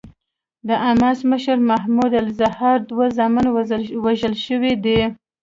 د حماس مشر محمود الزهار دوه زامن وژل شوي دي.